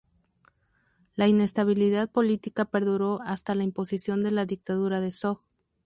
La inestabilidad política perduró hasta la imposición de la dictadura de Zog.